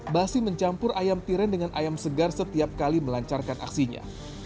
basi mencampur ayam tiren dengan ayam segar setiap kali melancarkan aksinya